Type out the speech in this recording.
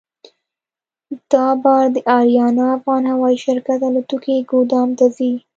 دا بار د اریانا افغان هوایي شرکت الوتکې ګودام ته ځي.